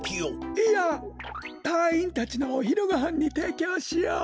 いやたいいんたちのおひるごはんにていきょうしよう。